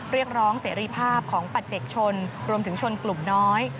เรียกร้องเสรีภาพของปัจเจกชนรวมถึงชนกลุ่มน้อย